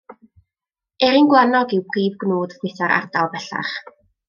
Eirin gwlanog yw prif gnwd ffrwythau'r ardal bellach.